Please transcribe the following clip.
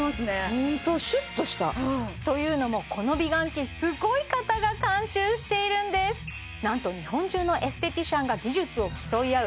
ホントシュッとしたというのもこの美顔器すごい方が監修しているんですなんと日本中のエステティシャンが技術を競い合う